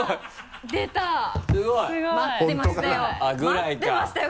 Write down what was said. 待ってましたよ